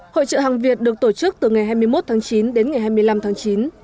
hội trợ hàng việt được tổ chức từ ngày hai mươi một tháng chín đến ngày hai mươi năm tháng chín